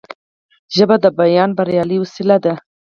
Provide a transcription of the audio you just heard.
ژبه د بیان بریالۍ وسیله ده